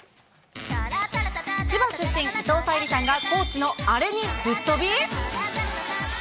千葉出身、伊藤沙莉さんが高知のあれにぶっ飛び？